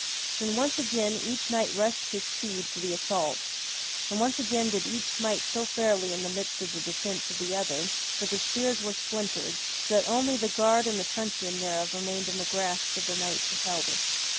Then once again each knight rushed his steed to the assault, and once again did each smite so fairly in the midst of the defence of the other that the spears were splintered, so that only the guard and the truncheon thereof remained in the grasp of the knight who held it.